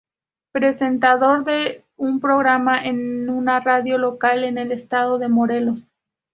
Presentador de un programa en una radio local en el estado de Morelos.